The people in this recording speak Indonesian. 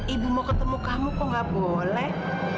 ibu mau ketemu kamu kok nggak boleh